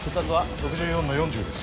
６４の４０です